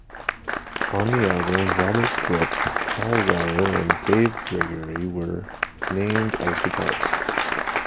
On the album, Robert Fripp, Paul Weller, and Dave Gregory were named as guitarists.